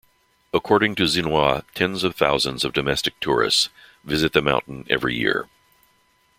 According to Xinhua, tens of thousands of domestic tourists visit the mountain every year.